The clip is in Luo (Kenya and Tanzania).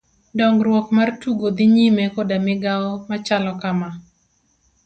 Dong'ruok mar tugo dhi nyime koda migao machalo kama.